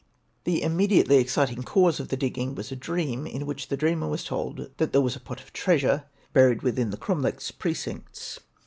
The immediately exciting cause of the digging was a dream in which the dreamer was told that there was a pot of treasure buried within the cromlech's precincts.